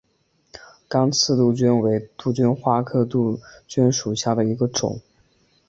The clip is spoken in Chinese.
刚刺杜鹃为杜鹃花科杜鹃属下的一个种。